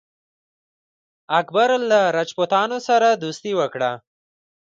اکبر له راجپوتانو سره دوستي وکړه.